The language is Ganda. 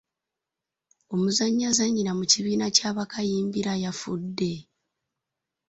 Omuzannyi azannyira mu kibiina kya Bakayimbira yafudde.